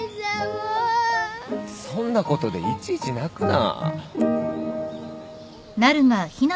そんなことでいちいち泣くな。